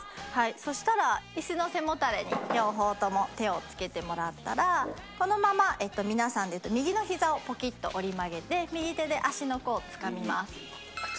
そしたら椅子の背もたれに両方とも手をつけてもらったらこのまま皆さんでいうと右のひざをポキッと折り曲げて右手で足の甲をつかみます。